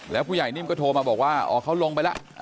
แล้วผู้ใหญ่นิ่มก็โทรมาบอกว่าอ๋อเขาลงไปแล้ว